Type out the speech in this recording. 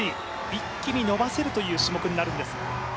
一気に伸ばせるという種目になるんですが。